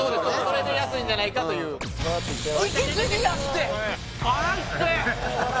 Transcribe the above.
それで安いんじゃないかという辛いって！